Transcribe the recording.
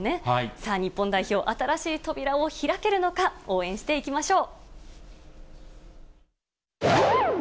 さあ、日本代表、新しい扉を開けるのか、応援していきましょう。